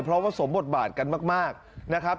เพราะว่าสมบทบาทกันมากนะครับ